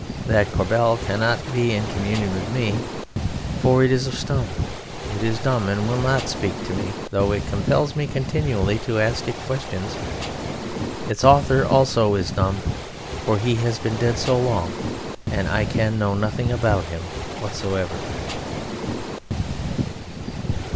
That corbel cannot be in communion with me, for it is of stone; it is dumb and will not speak to me, though it compels me continually to ask it questions. Its author also is dumb, for he has been dead so long, and I can know nothing about him whatsoever.